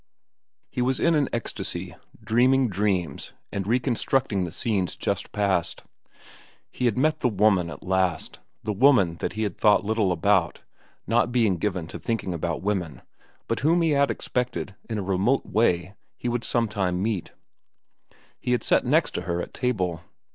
He was in an ecstasy, dreaming dreams and reconstructing the scenes just past. He had met the woman at last—the woman that he had thought little about, not being given to thinking about women, but whom he had expected, in a remote way, he would sometime meet. He had sat next to her at table.